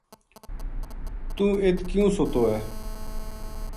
توہ اِت کیوں سُتو ہے